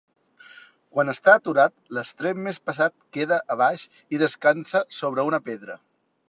Quan està aturat, l'extrem més pesat queda abaix i descansa sobre una pedra.